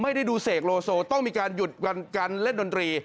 ไม่ได้ดูเสกโลโซต้องมีการหยุดการเล่นดนตรี